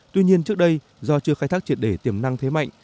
tuy nhiên trước đây do chưa khai thác triệt đề tiềm năng thế mạnh